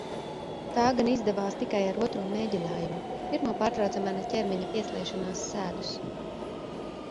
Tā gan izdevās tikai ar otro mēģinājumu, pirmo pārtrauca mana ķermeņa piesliešanās sēdus.